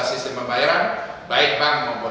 sistem pembayaran baik bank maupun